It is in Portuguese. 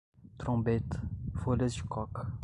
trombeta, folhas de coca